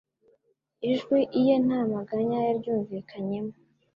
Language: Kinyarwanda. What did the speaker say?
Ijwi iye nta maganya yaryumvikanyemo,